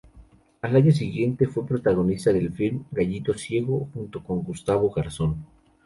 Al año siguiente fue protagonista del film "Gallito ciego", junto con Gustavo Garzón.